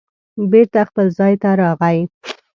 بېرته خپل ځای ته راغی